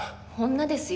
女ですよ。